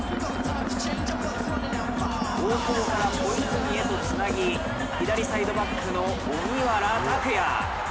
大久保から小泉へとつなぎ左サイドバックの荻原拓也。